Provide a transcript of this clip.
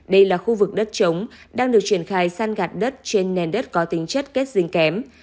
đây là khu vực đất trống đang được triển khai săn gạt đất trên nền đất có tính chất kết dính kém